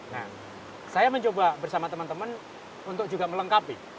nah saya mencoba bersama teman teman untuk juga melengkapi